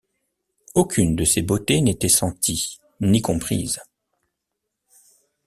Aucune de ces beautés n’était sentie, ni comprise.